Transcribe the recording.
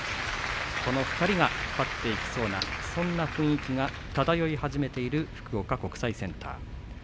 この２人が引っ張っていきそうなそんな雰囲気が漂い始めている福岡国際センター。